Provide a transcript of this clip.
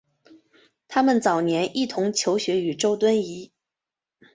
他们早年一同求学于周敦颐。